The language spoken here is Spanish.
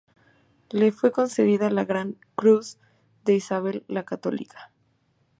Le fue concedida la Gran Cruz de Isabel la Católica.